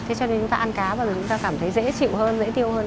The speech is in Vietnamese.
thế cho nên chúng ta ăn cá và chúng ta cảm thấy dễ chịu hơn dễ tiêu hơn